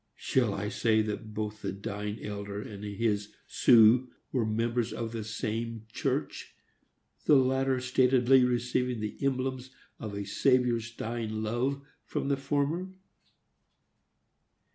Shall I say that both the dying elder and his "Su" were members of the same church, the latter statedly receiving the emblems of a Saviour's dying love from the former!